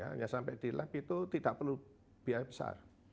hanya sampai di lab itu tidak perlu biaya besar